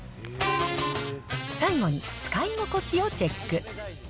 最後に使い心地をチェック。